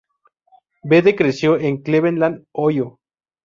Bede creció en Cleveland, Ohio.